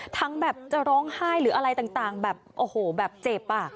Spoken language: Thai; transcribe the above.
ทั้งแบบจะร้องไห้หรืออะไรต่างแบบโอ้โหแบบเจ็บอ่ะ